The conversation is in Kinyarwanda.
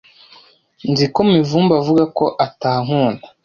Nzi ko Mivumbi avuga ko atankunda.